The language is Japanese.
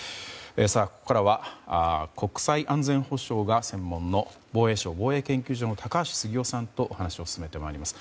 ここからは国際安全保障が専門の防衛省防衛研究所の高橋杉雄さんとお話を進めてまいります。